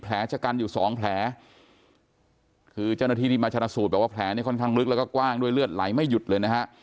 ชะกันอยู่สองแผลคือเจ้าหน้าที่นี่มาชนะสูตรบอกว่าแผลเนี่ยค่อนข้างลึกแล้วก็กว้างด้วยเลือดไหลไม่หยุดเลยนะฮะ